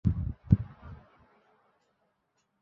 তিনি অত্যন্ত বিশ্বাস করতেন।